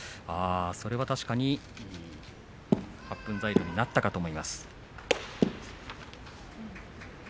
それは確かに発奮材料になったかと思います。